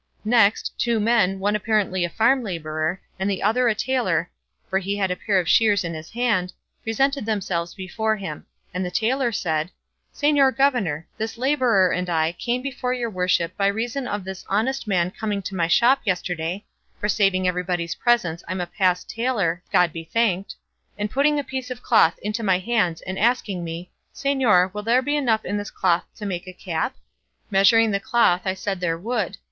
Next, two men, one apparently a farm labourer, and the other a tailor, for he had a pair of shears in his hand, presented themselves before him, and the tailor said, "Señor governor, this labourer and I come before your worship by reason of this honest man coming to my shop yesterday (for saving everybody's presence I'm a passed tailor, God be thanked), and putting a piece of cloth into my hands and asking me, 'Señor, will there be enough in this cloth to make me a cap?' Measuring the cloth I said there would.